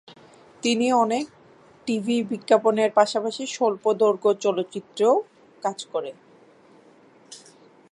তিনি অনেক টিভি বিজ্ঞাপনের পাশাপাশি স্বল্পদৈর্ঘ্য চলচ্চিত্রেও কাজ করে।